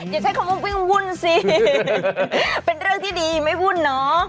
อย่าใช้คำว่าวิ่งวุ่นสิเป็นเรื่องที่ดีไม่วุ่นเนอะ